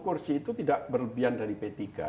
lima puluh kursi itu tidak berlebihan dari p tiga